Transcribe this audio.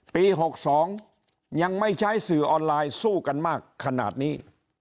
ปี๖๒ยังไม่ใช้สื่อออนไลน์สู้กันมากขนาดนี้